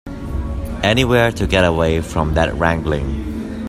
Anywhere to get away from that wrangling.